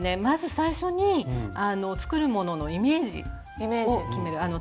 まず最初に作るもののイメージを決める。